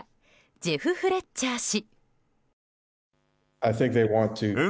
ジェフ・フレッチャー氏。